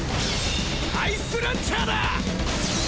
アイスランチャーだ！！